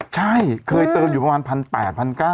ใช่เคยเติมอยู่ประมาณ๑๘๙๐๐